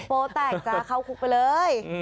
โปรแตกจ้าเข้าคุกไปเลย